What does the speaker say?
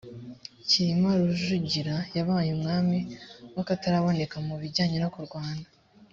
kirima rujugira yabaye umwami w’akataraboneka mu bijyanye no kurwana